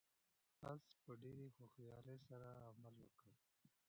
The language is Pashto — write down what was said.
آس په ډېرې هوښیارۍ سره عمل وکړ.